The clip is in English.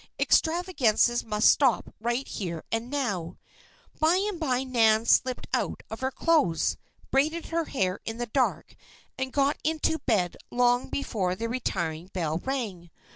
Extravagances must stop right here and now. By and by Nan slipped out of her clothes, braided her hair in the dark, and got into bed long before the retiring bell rang.